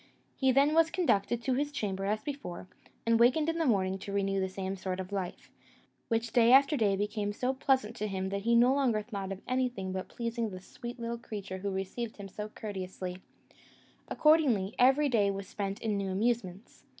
He then was conducted to his chamber as before, and wakened in the morning to renew the same sort of life, which day after day became so pleasant to him that he no longer thought of anything but of pleasing the sweet little creature who received him so courteously: accordingly, every day was spent in new amusements.